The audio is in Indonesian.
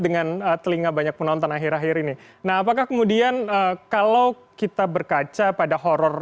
dengan telinga banyak penonton akhir akhir ini nah apakah kemudian kalau kita berkaca pada horror